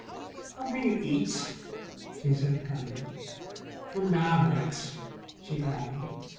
"I'll bring you eats," she said cunningly. "From Maverick's," she added.